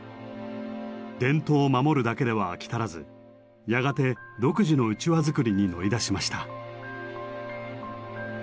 伝統を守るだけでは飽き足らずやがて独自のうちわ作りに乗り出しました。